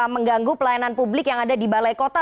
mengganggu pelayanan publik yang ada di balai kota